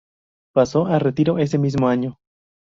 Pasó a retiro ese mismo año.